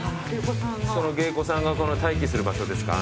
芸妓さんが待機する場所ですか？